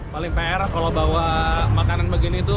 paling peerah kalo bawa makanan begini itu